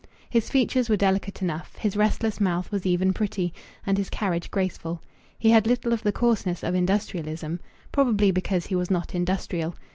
His features were delicate enough, his restless mouth was even pretty, and his carriage graceful. He had little of the coarseness of industrialism probably because he was not industrial.